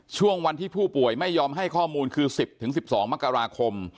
ช่วงวันที่ผู้ป่วยไม่ยอมให้ข้อมูลคือ๑๐๑๒มกราคม